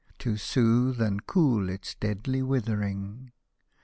To soothe and cool its deadly withering